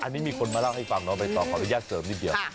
อันนี้มีคนมาเล่าให้ฟังน้องใบตองขออนุญาตเสริมนิดเดียว